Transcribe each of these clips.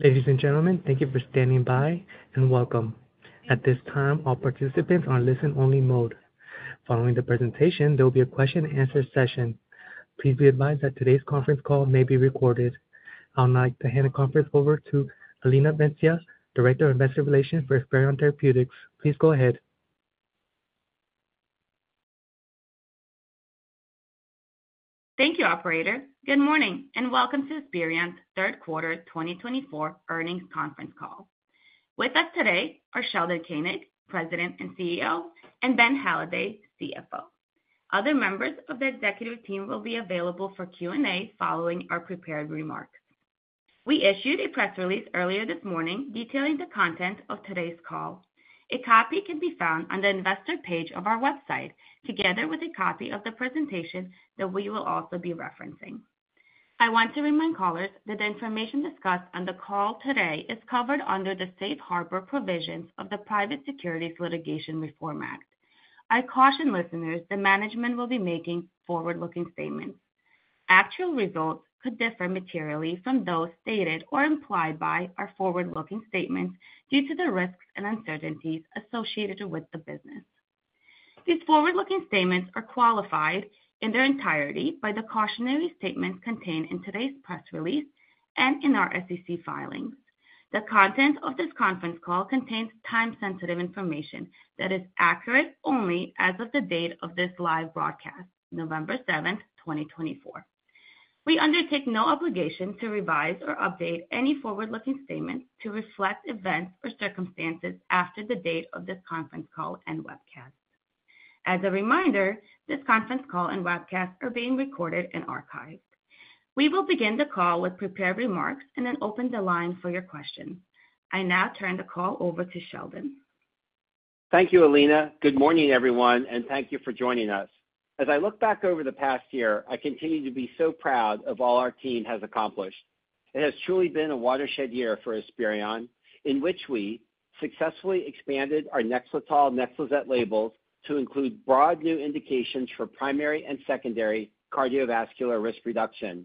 Ladies and gentlemen, thank you for standing by, and welcome. At this time, all participants are on listen-only mode. Following the presentation, there will be a question-and-answer session. Please be advised that today's conference call may be recorded. I would like to hand the conference over to Alina Venezia, Director of Investor Relations for Esperion Therapeutics. Please go ahead. Thank you, Operator. Good morning and Welcome to Esperion's third quarter 2024 earnings conference call. With us today are Sheldon Koenig, President and CEO, and Ben Halladay, CFO. Other members of the executive team will be available for Q&A following our prepared remarks. We issued a press release earlier this morning detailing the content of today's call. A copy can be found on the Investor page of our website, together with a copy of the presentation that we will also be referencing. I want to remind callers that the information discussed on the call today is covered under the safe harbor provisions of the Private Securities Litigation Reform Act. I caution listeners that management will be making forward-looking statements. Actual results could differ materially from those stated or implied by our forward-looking statements due to the risks and uncertainties associated with the business. These forward-looking statements are qualified in their entirety by the cautionary statements contained in today's press release and in our SEC filings. The content of this conference call contains time-sensitive information that is accurate only as of the date of this live broadcast, November 7th, 2024. We undertake no obligation to revise or update any forward-looking statements to reflect events or circumstances after the date of this conference call and webcast. As a reminder, this conference call and webcast are being recorded and archived. We will begin the call with prepared remarks and then open the line for your questions. I now turn the call over to Sheldon. Thank you, Alina. Good morning, everyone, and thank you for joining us. As I look back over the past year, I continue to be so proud of all our team has accomplished. It has truly been a watershed year for Esperion, in which we successfully expanded our NEXLETOL NEXLIZET labels to include broad new indications for primary and secondary cardiovascular risk reduction,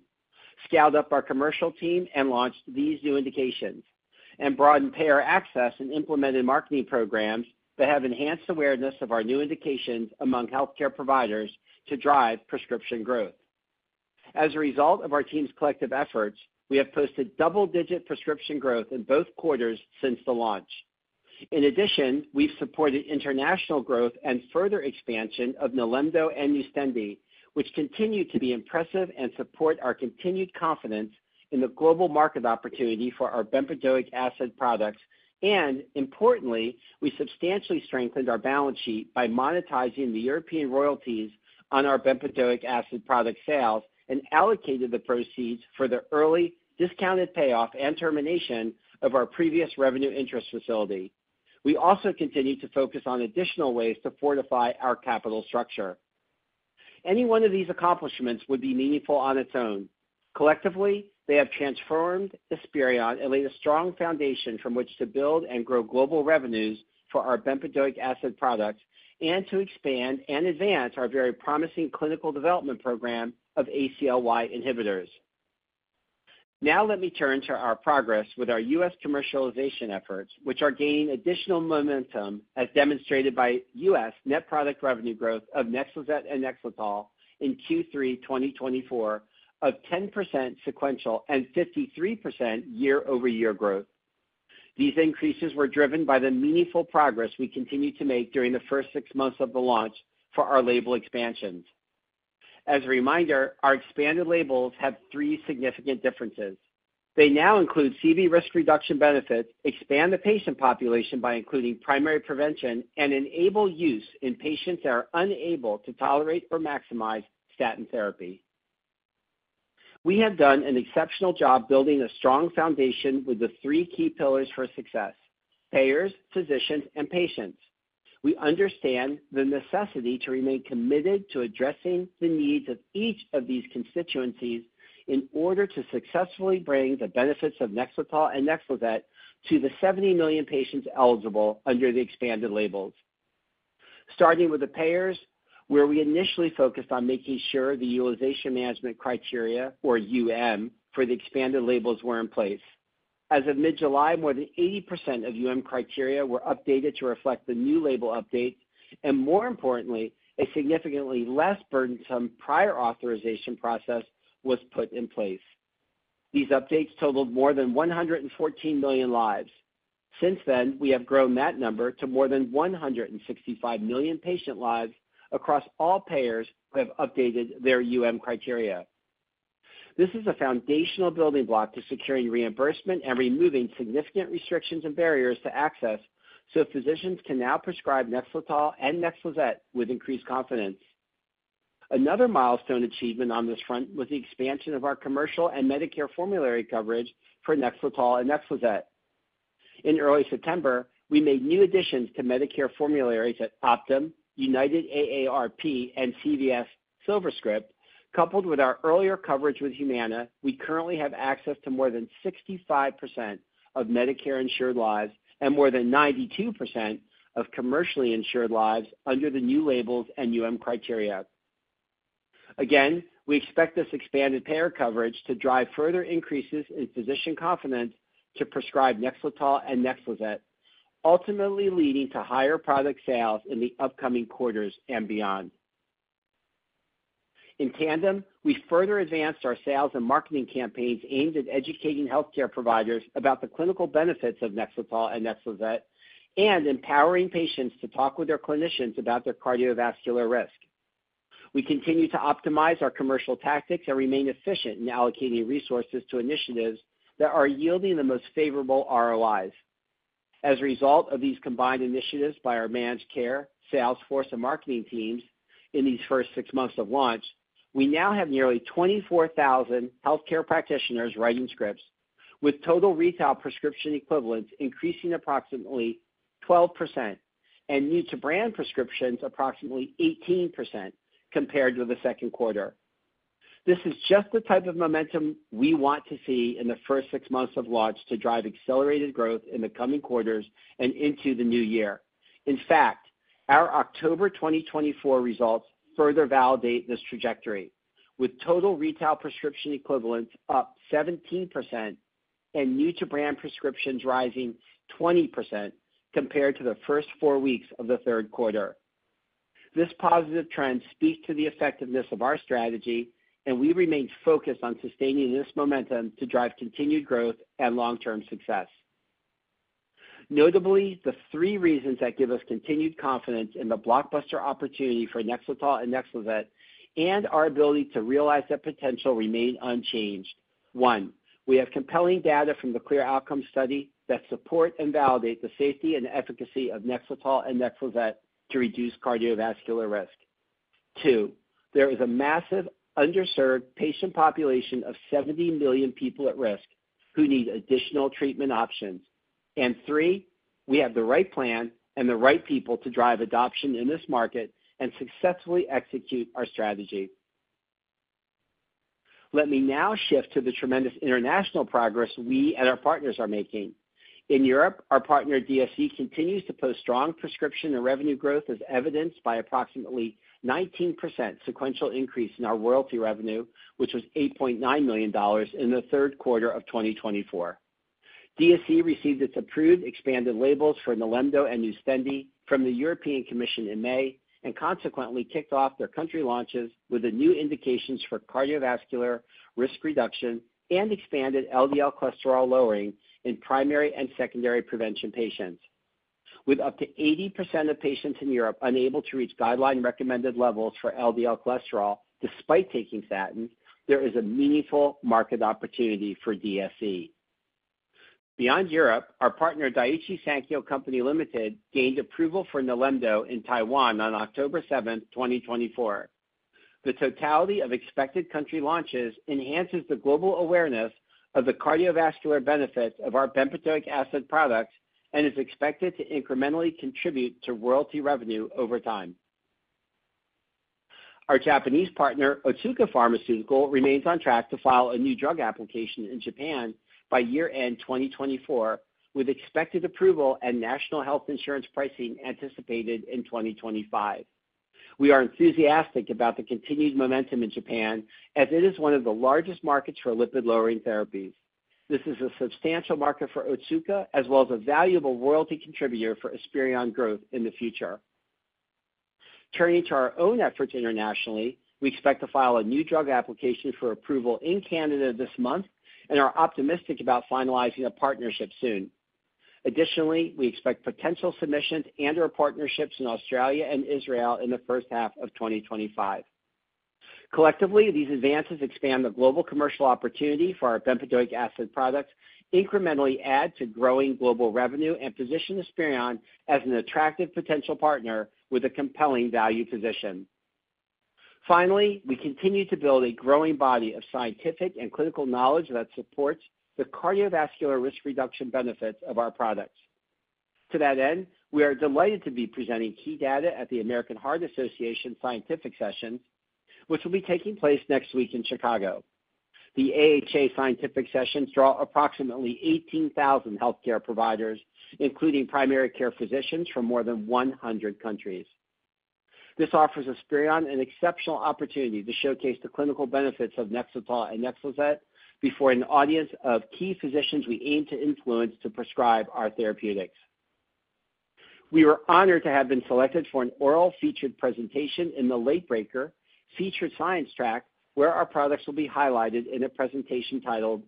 scaled up our commercial team and launched these new indications, and broadened payer access and implemented marketing programs that have enhanced awareness of our new indications among healthcare providers to drive prescription growth. As a result of our team's collective efforts, we have posted double-digit prescription growth in both quarters since the launch. In addition, we've supported international growth and further expansion of NILEMDO and NUSTENDI, which continue to be impressive and support our continued confidence in the global market opportunity for our bempedoic acid products. Importantly, we substantially strengthened our balance sheet by monetizing the European royalties on our bempedoic acid product sales and allocated the proceeds for the early discounted payoff and termination of our previous revenue interest facility. We also continue to focus on additional ways to fortify our capital structure. Any one of these accomplishments would be meaningful on its own. Collectively, they have transformed Esperion and laid a strong foundation from which to build and grow global revenues for our bempedoic acid products and to expand and advance our very promising clinical development program of ACLY inhibitors. Now let me turn to our progress with our U.S. commercialization efforts, which are gaining additional momentum, as demonstrated by U.S. net product revenue growth of NEXLETOL and NEXLIZET in Q3 2024 of 10% sequential and 53% year-over-year growth. These increases were driven by the meaningful progress we continued to make during the first six months of the launch for our label expansions. As a reminder, our expanded labels have three significant differences. They now include CV risk reduction benefits, expand the patient population by including primary prevention, and enable use in patients that are unable to tolerate or maximize statin therapy. We have done an exceptional job building a strong foundation with the three key pillars for success: payers, physicians, and patients. We understand the necessity to remain committed to addressing the needs of each of these constituencies in order to successfully bring the benefits of NEXLETOL and NEXLIZET to the 70 million patients eligible under the expanded labels. Starting with the payers, where we initially focused on making sure the utilization management criteria, or for the expanded labels were in place. As of mid-July, more than 80% of criteria were updated to reflect the new label updates, and more importantly, a significantly less burdensome prior authorization process was put in place. These updates totaled more than 114 million lives. Since then, we have grown that number to more than 165 million patient lives across all payers who have updated their criteria. This is a foundational building block to securing reimbursement and removing significant restrictions and barriers to access, so physicians can now prescribe NEXLETOL and NEXLIZET with increased confidence. Another milestone achievement on this front was the expansion of our commercial and Medicare formulary coverage for NEXLETOL and NEXLIZET. In early September, we made new additions to Medicare formularies at Optum, United AARP, and CVS SilverScript. Coupled with our earlier coverage with Humana, we currently have access to more than 65% of Medicare-insured lives and more than 92% of commercially insured lives under the new labels and criteria. Again, we expect this expanded payer coverage to drive further increases in physician confidence to prescribe NEXLETOL and NEXLIZET, ultimately leading to higher product sales in the upcoming quarters and beyond. In tandem, we further advanced our sales and marketing campaigns aimed at educating healthcare providers about the clinical benefits of NEXLETOL and NEXLIZET and empowering patients to talk with their clinicians about their cardiovascular risk. We continue to optimize our commercial tactics and remain efficient in allocating resources to initiatives that are yielding the most favorable ROIs. As a result of these combined initiatives by our managed care, salesforce, and marketing teams in these first six months of launch, we now have nearly 24,000 healthcare practitioners writing scripts, with total retail prescription equivalents increasing approximately 12% and new-to-brand prescriptions approximately 18% compared with the second quarter. This is just the type of momentum we want to see in the first six months of launch to drive accelerated growth in the coming quarters and into the new year. In fact, our October 2024 results further validate this trajectory, with total retail prescription equivalents up 17% and new-to-brand prescriptions rising 20% compared to the first four weeks of the third quarter. This positive trend speaks to the effectiveness of our strategy, and we remain focused on sustaining this momentum to drive continued growth and long-term success. Notably, the three reasons that give us continued confidence in the blockbuster opportunity for NEXLETOL and NEXLIZET and our ability to realize that potential remain unchanged: One, we have compelling data from the CLEAR Outcomes study that support and validate the safety and efficacy of NEXLETOL and NEXLIZET to reduce cardiovascular risk. Two, there is a massive underserved patient population of 70 million people at risk who need additional treatment options. And three, we have the right plan and the right people to drive adoption in this market and successfully execute our strategy. Let me now shift to the tremendous international progress we and our partners are making. In Europe, our partner DSC continues to post strong prescription and revenue growth, as evidenced by approximately 19% sequential increase in our royalty revenue, which was $8.9 million in the third quarter of 2024. DSC received its approved expanded labels for NILEMDO and NUSTENDI from the European Commission in May and consequently kicked off their country launches with the new indications for cardiovascular risk reduction and expanded LDL cholesterol lowering in primary and secondary prevention patients. With up to 80% of patients in Europe unable to reach guideline-recommended levels for LDL cholesterol despite taking statins, there is a meaningful market opportunity for DSC. Beyond Europe, our partner Daiichi Sankyo Company Limited gained approval for NILEMDO in Taiwan on October 7th, 2024. The totality of expected country launches enhances the global awareness of the cardiovascular benefits of our bempedoic acid products and is expected to incrementally contribute to royalty revenue over time. Our Japanese partner, Otsuka Pharmaceutical, remains on track to file a new drug application in Japan by year-end 2024, with expected approval and national health insurance pricing anticipated in 2025. We are enthusiastic about the continued momentum in Japan, as it is one of the largest markets for lipid-lowering therapies. This is a substantial market for Otsuka, as well as a valuable royalty contributor for Esperion growth in the future. Turning to our own efforts internationally, we expect to file a new drug application for approval in Canada this month and are optimistic about finalizing a partnership soon. Additionally, we expect potential submissions and/or partnerships in Australia and Israel in the first half of 2025. Collectively, these advances expand the global commercial opportunity for our bempedoic acid products, incrementally add to growing global revenue, and position Esperion as an attractive potential partner with a compelling value position. Finally, we continue to build a growing body of scientific and clinical knowledge that supports the cardiovascular risk reduction benefits of our products. To that end, we are delighted to be presenting key data at the American Heart Association scientific sessions, which will be taking place next week in Chicago. The AHA scientific sessions draw approximately 18,000 healthcare providers, including primary care physicians from more than 100 countries. This offers Esperion an exceptional opportunity to showcase the clinical benefits of NEXLETOL and NEXLIZET before an audience of key physicians we aim to influence to prescribe our therapeutics. We were honored to have been selected for an oral-featured presentation in the Late Breaker Featured Science track, where our products will be highlighted in a presentation titled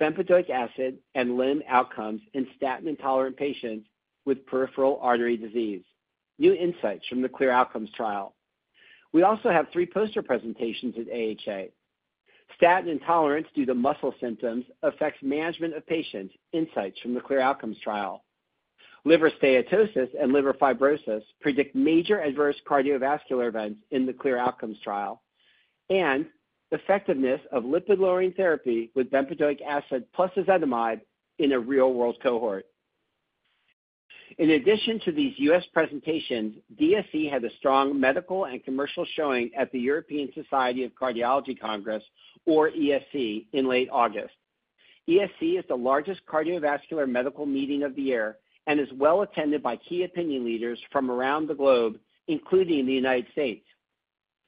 "Bempedoic Acid and CLEAR Outcomes in Statin Intolerant Patients with Peripheral Artery Disease: New Insights from the CLEAR Outcomes Trial." We also have three poster presentations at AHA. "Statin Intolerance Due to Muscle Symptoms Affects Management of Patients: Insights from the CLEAR Outcomes Trial. Liver Steatosis and Liver Fibrosis Predict Major Adverse Cardiovascular Events in the CLEAR Outcomes Trial, and Effectiveness of Lipid-Lowering Therapy with Bempedoic Acid Plus Ezetimibe in a Real-World Cohort . In addition to these U.S. presentations, DSC had a strong medical and commercial showing at the European Society of Cardiology Congress, or ESC, in late August. ESC is the largest cardiovascular medical meeting of the year and is well attended by key opinion leaders from around the globe, including the United States.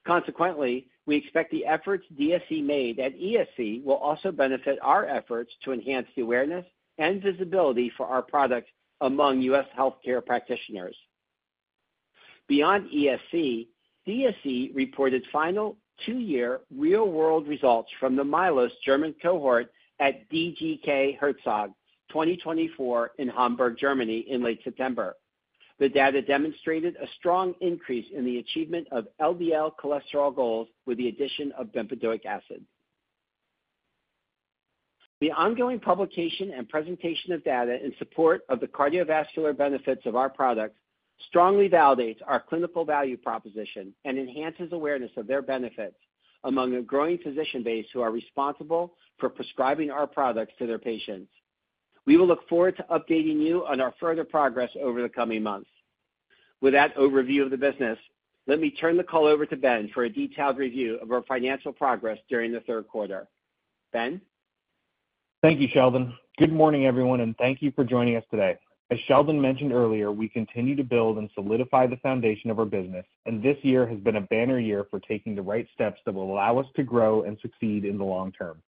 Consequently, we expect the efforts DSC made at ESC will also benefit our efforts to enhance the awareness and visibility for our product among U.S. healthcare practitioners. Beyond ESC, DSC reported final two-year real-world results from the MILOS German cohort at DGK Herztage 2024 in Hamburg, Germany, in late September. The data demonstrated a strong increase in the achievement of LDL cholesterol goals with the addition of bempedoic acid. The ongoing publication and presentation of data in support of the cardiovascular benefits of our products strongly validates our clinical value proposition and enhances awareness of their benefits among a growing physician base who are responsible for prescribing our products to their patients. We will look forward to updating you on our further progress over the coming months. With that overview of the business, let me turn the call over to Ben for a detailed review of our financial progress during the third quarter. Ben. Thank you, Sheldon. Good morning, everyone, and thank you for joining us today. As Sheldon mentioned earlier, we continue to build and solidify the foundation of our business, and this year has been a banner year for taking the right steps that will allow us to grow and succeed in the long term.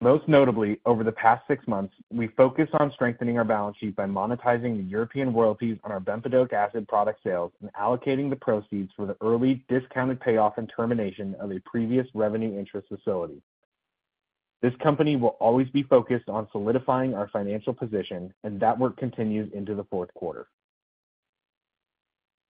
Most notably, over the past six months, we focused on strengthening our balance sheet by monetizing the European royalties on our bempedoic acid product sales and allocating the proceeds for the early discounted payoff and termination of a previous revenue interest facility. This company will always be focused on solidifying our financial position, and that work continues into the fourth quarter.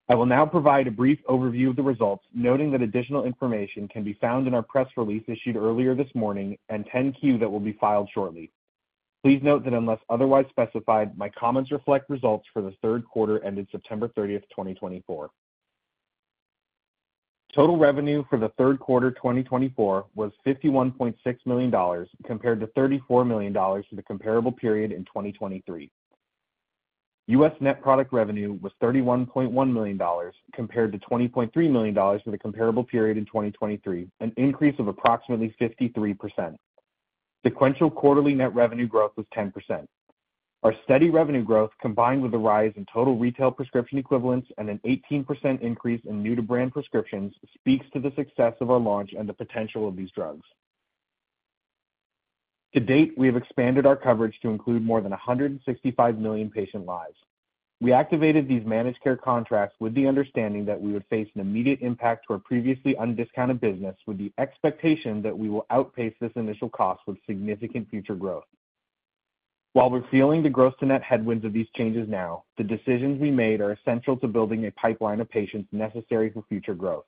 I will now provide a brief overview of the results, noting that additional information can be found in our press release issued earlier this morning, and 10-Q that will be filed shortly. Please note that unless otherwise specified, my comments reflect results for the third quarter ended September 30th, 2024. Total revenue for the third quarter 2024 was $51.6 million compared to $34 million for the comparable period in 2023. U.S. net product revenue was $31.1 million compared to $20.3 million for the comparable period in 2023, an increase of approximately 53%. Sequential quarterly net revenue growth was 10%. Our steady revenue growth, combined with the rise in total retail prescription equivalents and an 18% increase in new-to-brand prescriptions, speaks to the success of our launch and the potential of these drugs. To date, we have expanded our coverage to include more than 165 million patient lives. We activated these managed care contracts with the understanding that we would face an immediate impact to our previously undiscounted business, with the expectation that we will outpace this initial cost with significant future growth. While we're feeling the gross-to-net headwinds of these changes now, the decisions we made are essential to building a pipeline of patients necessary for future growth.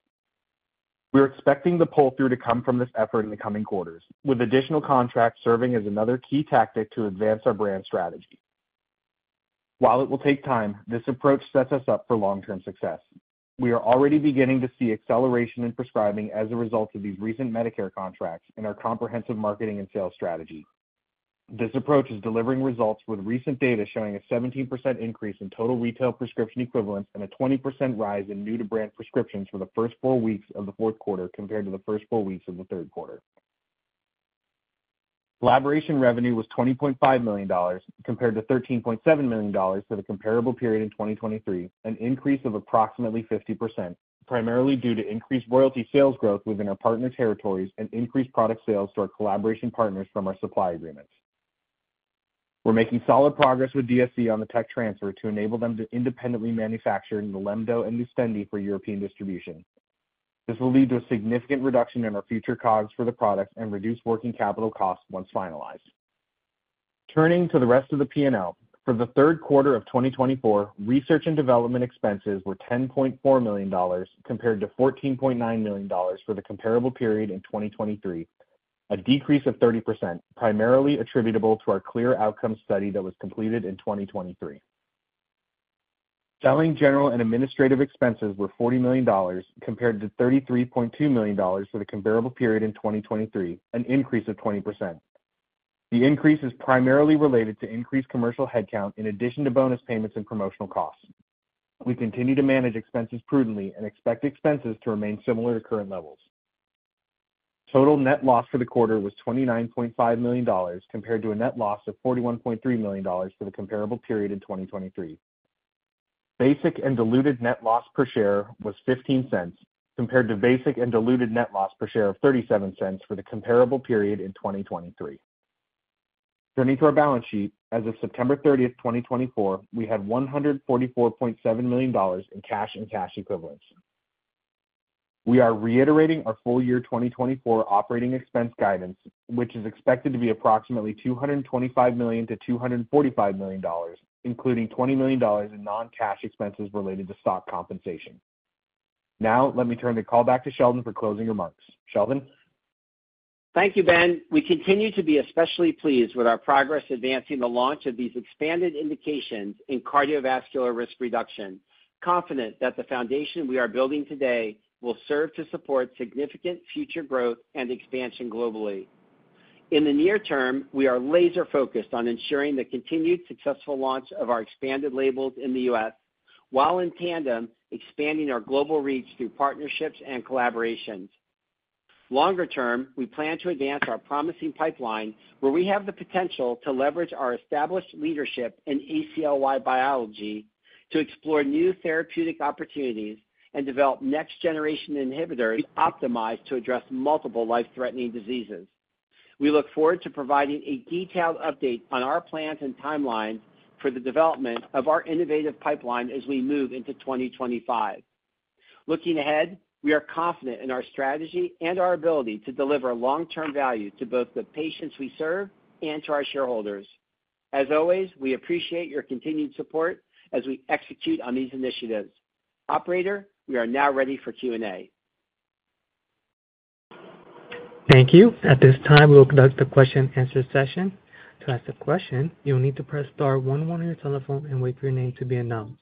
We're expecting the pull-through to come from this effort in the coming quarters, with additional contracts serving as another key tactic to advance our brand strategy. While it will take time, this approach sets us up for long-term success. We are already beginning to see acceleration in prescribing as a result of these recent Medicare contracts in our comprehensive marketing and sales strategy. This approach is delivering results with recent data showing a 17% increase in total retail prescription equivalents and a 20% rise in new-to-brand prescriptions for the first four weeks of the fourth quarter compared to the first four weeks of the third quarter. Collaboration revenue was $20.5 million compared to $13.7 million for the comparable period in 2023, an increase of approximately 50%, primarily due to increased royalty sales growth within our partner territories and increased product sales to our collaboration partners from our supply agreements. We're making solid progress with DSC on the tech transfer to enable them to independently manufacture NILEMDO and NUSTENDI for European distribution. This will lead to a significant reduction in our future COGS for the products and reduce working capital costs once finalized. Turning to the rest of the P&L, for the third quarter of 2024, research and development expenses were $10.4 million compared to $14.9 million for the comparable period in 2023, a decrease of 30%, primarily attributable to our CLEAR Outcomes study that was completed in 2023. Selling general and administrative expenses were $40 million compared to $33.2 million for the comparable period in 2023, an increase of 20%. The increase is primarily related to increased commercial headcount in addition to bonus payments and promotional costs. We continue to manage expenses prudently and expect expenses to remain similar to current levels. Total net loss for the quarter was $29.5 million compared to a net loss of $41.3 million for the comparable period in 2023. Basic and diluted net loss per share was $0.15 compared to basic and diluted net loss per share of $0.37 for the comparable period in 2023. Turning to our balance sheet, as of September 30th, 2024, we had $144.7 million in cash and cash equivalents. We are reiterating our full year 2024 operating expense guidance, which is expected to be approximately $225 million-$245 million, including $20 million in non-cash expenses related to stock compensation. Now, let me turn the call back to Sheldon for closing remarks. Sheldon. Thank you, Ben. We continue to be especially pleased with our progress advancing the launch of these expanded indications in cardiovascular risk reduction, confident that the foundation we are building today will serve to support significant future growth and expansion globally. In the near term, we are laser-focused on ensuring the continued successful launch of our expanded labels in the U.S., while in tandem expanding our global reach through partnerships and collaborations. Longer term, we plan to advance our promising pipeline, where we have the potential to leverage our established leadership in ACLY biology to explore new therapeutic opportunities and develop next-generation inhibitors optimized to address multiple life-threatening diseases. We look forward to providing a detailed update on our plans and timelines for the development of our innovative pipeline as we move into 2025. Looking ahead, we are confident in our strategy and our ability to deliver long-term value to both the patients we serve and to our shareholders. As always, we appreciate your continued support as we execute on these initiatives. Operator, we are now ready for Q&A. Thank you. At this time, we will conduct the question-and-answer session. To ask a question, you'll need to press star one one on your telephone and wait for your name to be announced.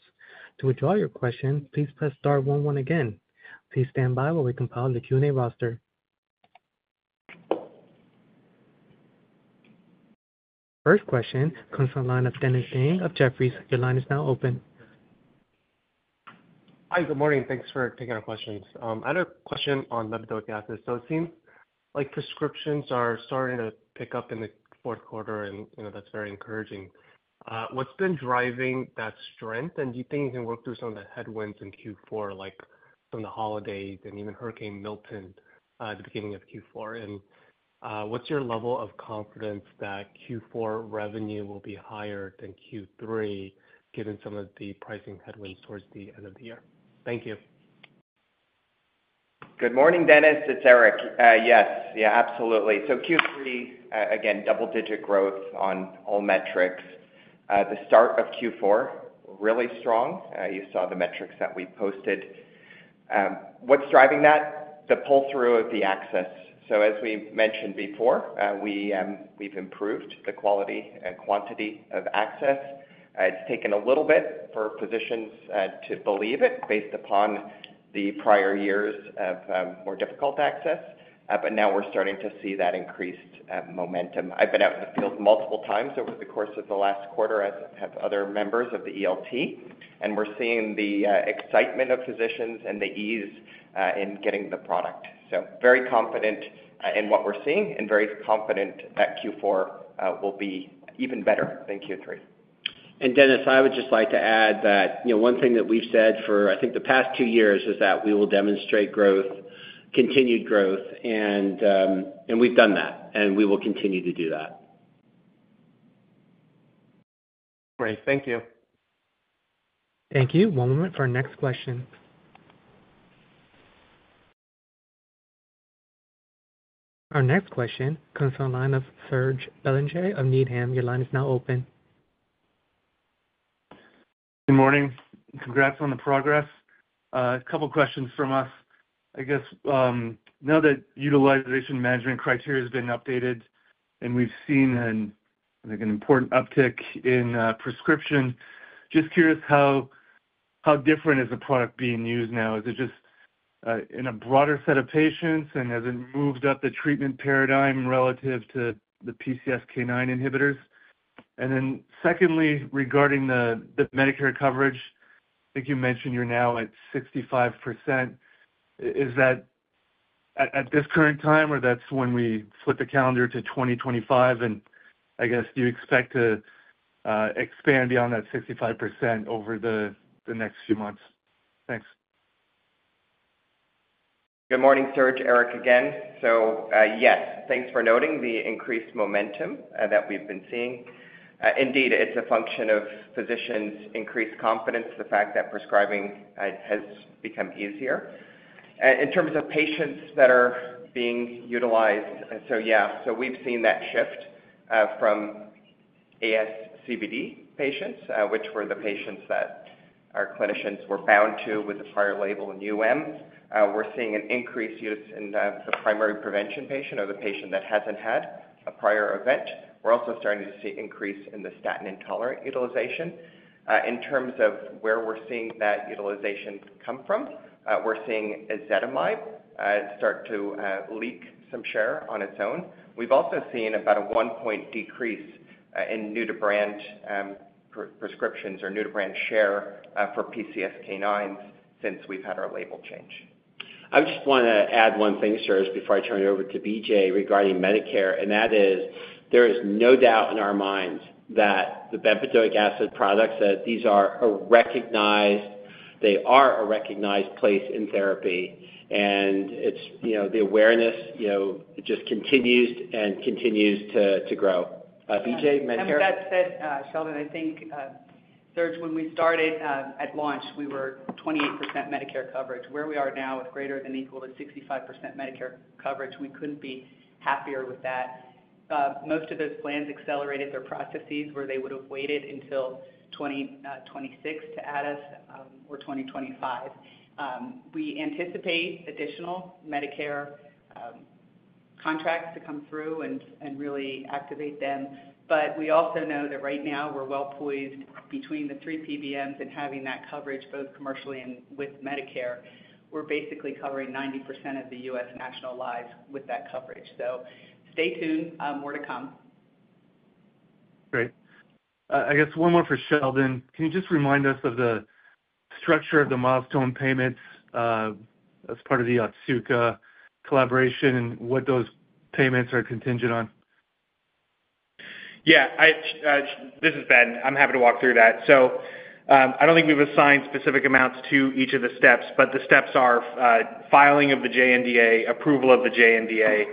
To withdraw your question, please press star one one again. Please stand by while we compile the Q&A roster. First question comes from the line of Dennis Ding of Jefferies. Your line is now open. Hi, good morning. Thanks for taking our questions. I had a question on bempedoic acid. So it seems like prescriptions are starting to pick up in the fourth quarter, and that's very encouraging. What's been driving that strength? And do you think you can work through some of the headwinds in Q4, like some of the holidays and even Hurricane Milton at the beginning of Q4? And what's your level of confidence that Q4 revenue will be higher than Q3, given some of the pricing headwinds towards the end of the year? Thank you. Good morning, Dennis. It's Eric. Yes, yeah, absolutely. So Q3, again, double-digit growth on all metrics. The start of Q4, really strong. You saw the metrics that we posted. What's driving that? The pull-through of the access. So as we mentioned before, we've improved the quality and quantity of access. It's taken a little bit for physicians to believe it, based upon the prior years of more difficult access, but now we're starting to see that increased momentum. I've been out in the field multiple times over the course of the last quarter, as have other members of the ELT, and we're seeing the excitement of physicians and the ease in getting the product. So very confident in what we're seeing and very confident that Q4 will be even better than Q3. Dennis, I would just like to add that one thing that we've said for, I think, the past two years is that we will demonstrate growth, continued growth, and we've done that, and we will continue to do that. Great. Thank you. Thank you. One moment for our next question. Our next question comes from the line of Serge Belanger of Needham. Your line is now open. Good morning. Congrats on the progress. A couple of questions from us. I guess, now that utilization management criteria has been updated and we've seen an important uptick in prescription, just curious how different is the product being used now? Is it just in a broader set of patients, and has it moved up the treatment paradigm relative to the PCSK9 inhibitors? And then secondly, regarding the Medicare coverage, I think you mentioned you're now at 65%. Is that at this current time, or that's when we flip the calendar to 2025? And I guess, do you expect to expand beyond that 65% over the next few months? Thanks. Good morning, Serge. Eric again. So yes, thanks for noting the increased momentum that we've been seeing. Indeed, it's a function of physicians' increased confidence, the fact that prescribing has become easier. In terms of patients that are being utilized, so yeah, so we've seen that shift from ASCVD patients, which were the patients that our clinicians were bound to with the prior label. We're seeing an increased use in the primary prevention patient or the patient that hasn't had a prior event. We're also starting to see an increase in the statin intolerant utilization. In terms of where we're seeing that utilization come from, we're seeing ezetimibe start to leak some share on its own. We've also seen about a one-point decrease in new-to-brand prescriptions or new-to-brand share for PCSK9s since we've had our label change. I just want to add one thing, Serge, before I turn it over to BJ regarding Medicare, and that is there is no doubt in our minds that the bempedoic acid products, that these are a recognized place in therapy, and the awareness just continues and continues to grow. BJ, Medicare. That said, Sheldon, I think, Serge, when we started at launch, we were 28% Medicare coverage. Where we are now with greater than or equal to 65% Medicare coverage, we couldn't be happier with that. Most of those plans accelerated their processes where they would have waited until 2026 to add us or 2025. We anticipate additional Medicare contracts to come through and really activate them, but we also know that right now we're well poised between the three PBMs and having that coverage both commercially and with Medicare. We're basically covering 90% of the U.S. national lives with that coverage. So stay tuned. More to come. Great. I guess one more for Sheldon. Can you just remind us of the structure of the milestone payments as part of the Otsuka collaboration and what those payments are contingent on? Yeah. This is Ben. I'm happy to walk through that. So I don't think we've assigned specific amounts to each of the steps, but the steps are filing of the JNDA, approval of the JNDA.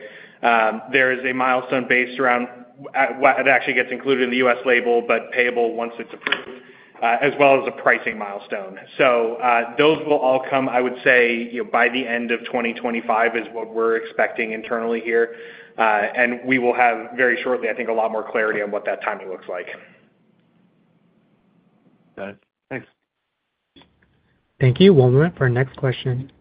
There is a milestone based around what actually gets included in the U.S. label, but payable once it's approved, as well as a pricing milestone. So those will all come, I would say, by the end of 2025, is what we're expecting internally here, and we will have very shortly, I think, a lot more clarity on what that timing looks like. Thanks. Thank you. One moment for our next question.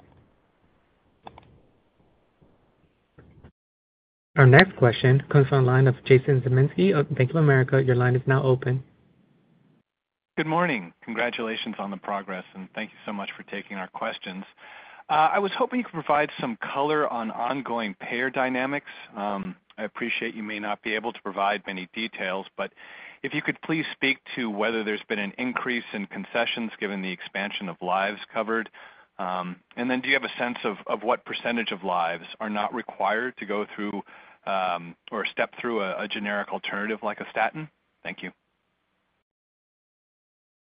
Our next question comes from the line of Jason Zemansky of Bank of America. Your line is now open. Good morning. Congratulations on the progress, and thank you so much for taking our questions. I was hoping you could provide some color on ongoing payer dynamics. I appreciate you may not be able to provide many details, but if you could please speak to whether there's been an increase in concessions given the expansion of lives covered. And then do you have a sense of what percentage of lives are not required to go through or step through a generic alternative like a statin? Thank you.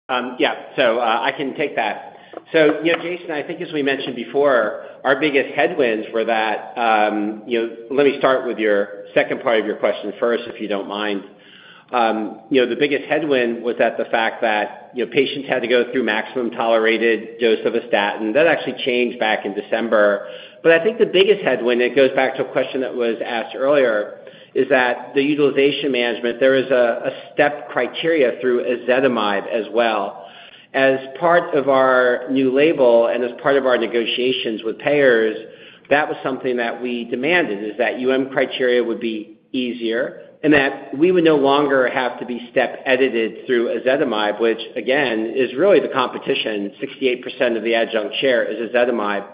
Yeah. So I can take that. So Jason, I think, as we mentioned before, our biggest headwinds were that. Let me start with your second part of your question first, if you don't mind. The biggest headwind was that the fact that patients had to go through maximum tolerated dose of a statin. That actually changed back in December. But I think the biggest headwind, it goes back to a question that was asked earlier, is that the utilization management, there is a step criteria through ezetimibe as well. As part of our new label and as part of our negotiations with payers, that was something that we demanded, is that criteria would be easier and that we would no longer have to be step-edited through ezetimibe, which, again, is really the competition. 68% of the adjunct share is ezetimibe.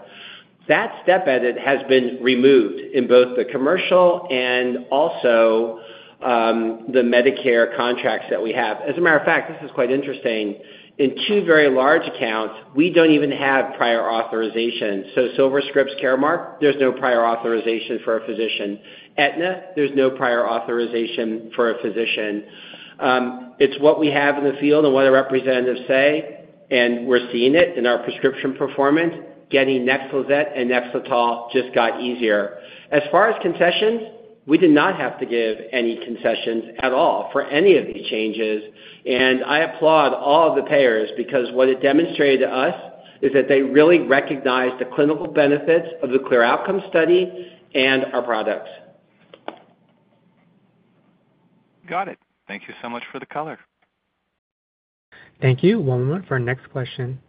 That step edit has been removed in both the commercial and also the Medicare contracts that we have. As a matter of fact, this is quite interesting. In two very large accounts, we don't even have prior authorization. So SilverScript Caremark, there's no prior authorization for a physician. Aetna, there's no prior authorization for a physician. It's what we have in the field and what our representatives say, and we're seeing it in our prescription performance. Getting NEXLIZET and NEXLETOL just got easier. As far as concessions, we did not have to give any concessions at all for any of these changes, and I applaud all of the payers because what it demonstrated to us is that they really recognize the clinical benefits of the CLEAR Outcomes study and our products. Got it. Thank you so much for the color. Thank you. One moment for our next question.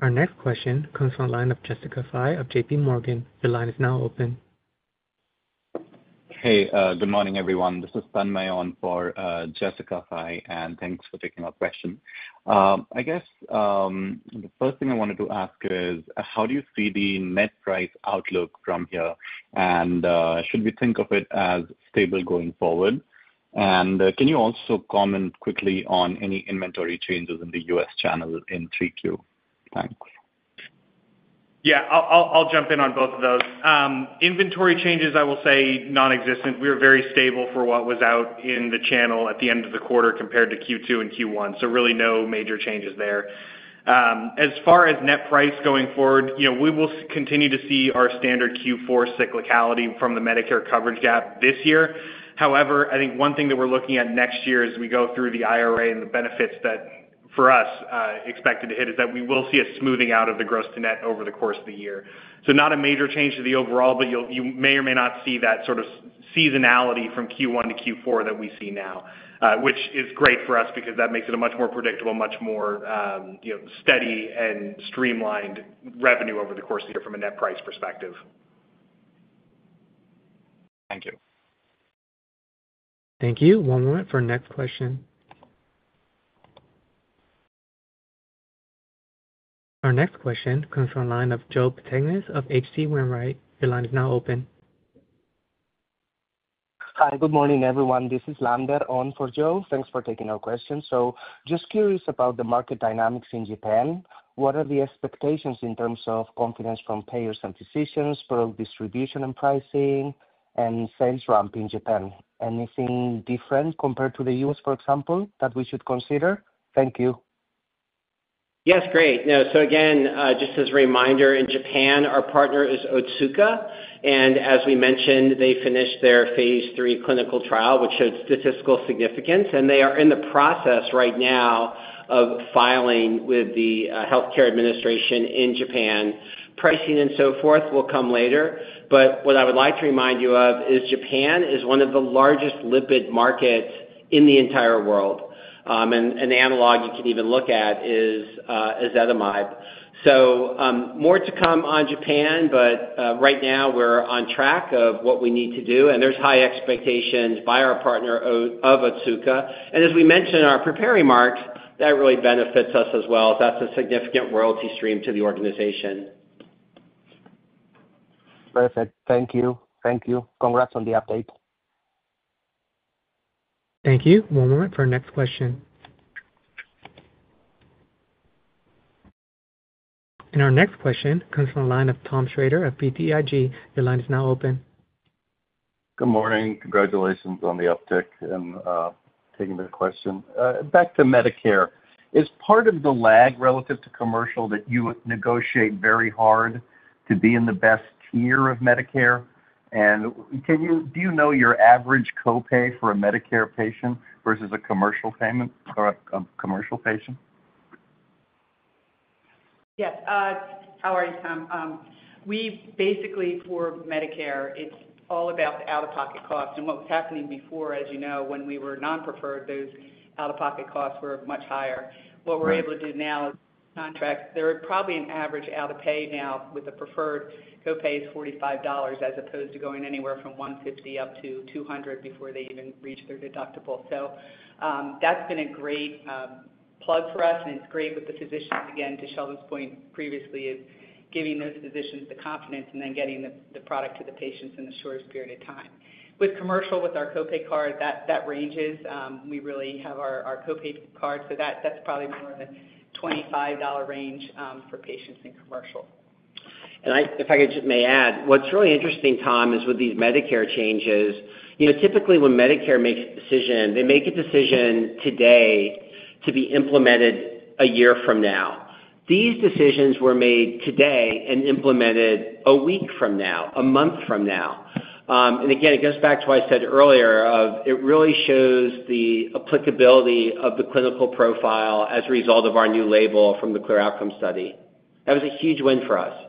Our next question comes from the line of Jessica Fye of JPMorgan. Your line is now open. Hey, good morning, everyone. This is Tanmay on for Jessica Fye, and thanks for taking our question. I guess the first thing I wanted to ask is, how do you see the net price outlook from here? And should we think of it as stable going forward? And can you also comment quickly on any inventory changes in the U.S. channel in 3Q? Thanks. Yeah, I'll jump in on both of those. Inventory changes, I will say, nonexistent. We were very stable for what was out in the channel at the end of the quarter compared to Q2 and Q1. So really no major changes there. As far as net price going forward, we will continue to see our standard Q4 cyclicality from the Medicare coverage gap this year. However, I think one thing that we're looking at next year as we go through the IRA and the benefits that, for us, are expected to hit is that we will see a smoothing out of the gross to net over the course of the year. Not a major change to the overall, but you may or may not see that sort of seasonality from Q1 to Q4 that we see now, which is great for us because that makes it a much more predictable, much more steady and streamlined revenue over the course of the year from a net price perspective. Thank you. Thank you. One moment for our next question. Our next question comes from the line of Joe Pantginis of H.C. Wainwright. Your line is now open. Hi, good morning, everyone. This is Lander on for Joe. Thanks for taking our question. So just curious about the market dynamics in Japan. What are the expectations in terms of confidence from payers and physicians, product distribution and pricing, and sales ramp in Japan? Anything different compared to the U.S., for example, that we should consider? Thank you. Yes, great. So again, just as a reminder, in Japan, our partner is Otsuka. And as we mentioned, they finished their phase III clinical trial, which showed statistical significance, and they are in the process right now of filing with the Healthcare Administration in Japan. Pricing and so forth will come later, but what I would like to remind you of is Japan is one of the largest lipid markets in the entire world. An analog you can even look at is ezetimibe. So more to come on Japan, but right now we're on track of what we need to do, and there's high expectations by our partner of Otsuka. And as we mentioned, our partnering market, that really benefits us as well as that's a significant royalty stream to the organization. Perfect. Thank you. Thank you. Congrats on the update. Thank you. One moment for our next question. And our next question comes from the line of Tom Shrader of BTIG. Your line is now open. Good morning. Congratulations on the uptick in taking the question. Back to Medicare. Is part of the lag relative to commercial that you negotiate very hard to be in the best tier of Medicare? And do you know your average copay for a Medicare patient versus a commercial patient? Yes. How are you, Tom? We basically, for Medicare, it's all about the out-of-pocket cost. And what was happening before, as you know, when we were non-preferred, those out-of-pocket costs were much higher. What we're able to do now is contract. There are probably an average out-of-pocket now with a preferred copay is $45 as opposed to going anywhere from $150-$200 before they even reach their deductible. So that's been a great plug for us, and it's great with the physicians, again, to Sheldon's point previously, is giving those physicians the confidence and then getting the product to the patients in the shortest period of time. With commercial, with our copay card, that ranges. We really have our copay card, so that's probably more in the $25 range for patients in commercial. If I could just add, what's really interesting, Tom, is with these Medicare changes, typically when Medicare makes a decision, they make a decision today to be implemented a year from now. These decisions were made today and implemented a week from now, a month from now. Again, it goes back to what I said earlier of it really shows the applicability of the clinical profile as a result of our new label from the CLEAR Outcomes study. That was a huge win for us.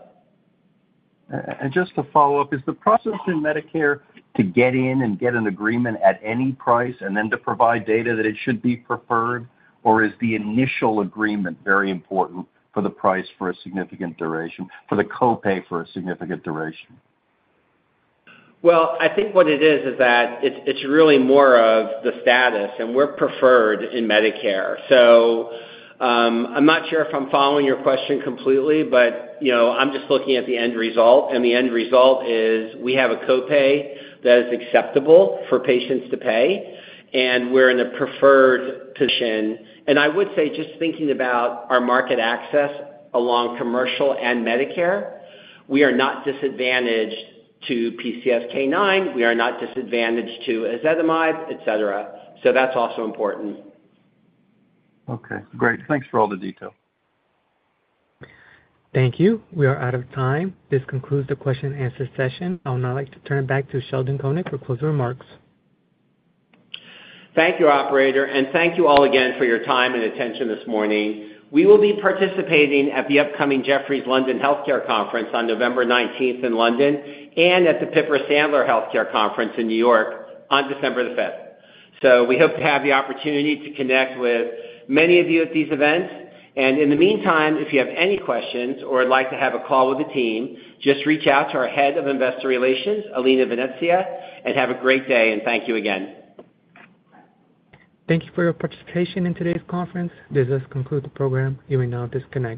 And just to follow up, is the process in Medicare to get in and get an agreement at any price and then to provide data that it should be preferred, or is the initial agreement very important for the price for a significant duration, for the copay for a significant duration? I think what it is is that it's really more of the status, and we're preferred in Medicare. I'm not sure if I'm following your question completely, but I'm just looking at the end result, and the end result is we have a copay that is acceptable for patients to pay, and we're in a preferred position. I would say just thinking about our market access along commercial and Medicare, we are not disadvantaged to PCSK9. We are not disadvantaged to ezetimibe, etc. That's also important. Okay. Great. Thanks for all the detail. Thank you. We are out of time. This concludes the question and answer session. I would now like to turn it back to Sheldon Koenig for closing remarks. Thank you, Operator, and thank you all again for your time and attention this morning. We will be participating at the upcoming Jefferies London Healthcare Conference on November 19th in London and at the Piper Sandler Healthcare Conference in New York on December the 5th. So we hope to have the opportunity to connect with many of you at these events. And in the meantime, if you have any questions or would like to have a call with the team, just reach out to our head of investor relations, Alina Venezia, and have a great day, and thank you again. Thank you for your participation in today's conference. This does conclude the program. You may now disconnect.